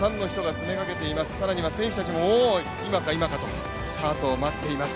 つめかけています、選手たちも今か今かと、スタートを待っています。